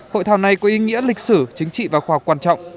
hội thảo này có ý nghĩa lịch sử chính trị và khoa học quan trọng